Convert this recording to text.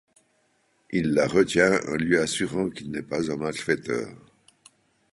Il la retient en lui assurant qu’il n’est pas un malfaiteur.